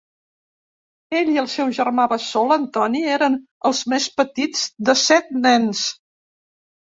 Ell i el seu germà bessó, l'Antoni, eren els més petits de set nens.